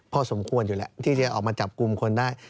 พอสมควรอยู่แล้วที่จะออกมาจับกลุ่มคนได้